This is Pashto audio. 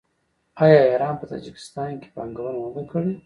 آیا ایران په تاجکستان کې پانګونه نه ده کړې؟